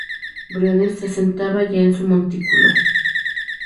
Briones se asentaba ya en su montículo.